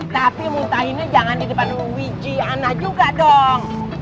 tapi muntahinnya jangan di depan wiji anak juga dong